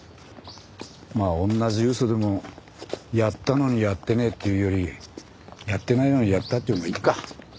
まあ同じ嘘でもやったのにやってねえって言うよりやってないのにやったって言うほうがいいか。